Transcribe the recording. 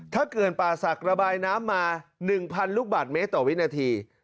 ถ้าเขื่อนป่าศักดิ์ระบายน้ำมา๑๐๐ลูกบาทเมตรต่อวินาที